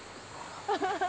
アハハハ。